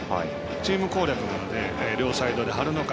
チーム攻略なので両サイドで張るのか